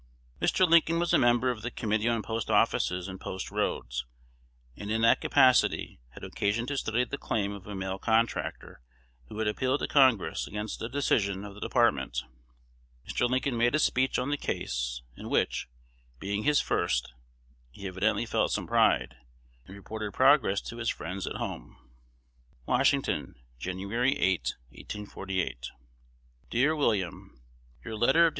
Mr. Lincoln was a member of the Committee on Post offices and Post roads, and in that capacity had occasion to study the claim of a mail contractor who had appealed to Congress against a decision of the Department. Mr. Lincoln made a speech on the case, in which, being his first, he evidently felt some pride, and reported progress to his friends at home: Washington, Jan. 8, 1848. Dear William, Your letter of Dec.